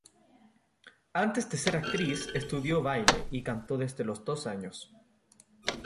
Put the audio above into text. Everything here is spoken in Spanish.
Antes de ser actriz estudió baile y canto desde los dos años.